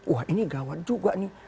wah ini gawat juga nih